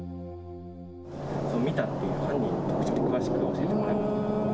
見たっていう犯人の特徴とか詳しく教えてもらえますか。